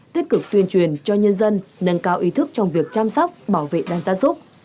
tích cực tuyên truyền cho nhân dân nâng cao ý thức trong việc chăm sóc bảo vệ đàn gia súc